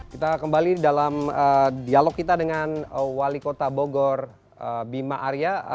kita kembali dalam dialog kita dengan wali kota bogor bima arya